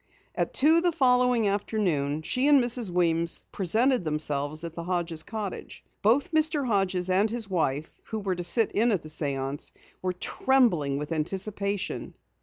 At two the following afternoon she and Mrs. Weems presented themselves at the Hodges' cottage. Both Mr. Hodges and his wife, who were to sit in at the séance, were trembling with anticipation.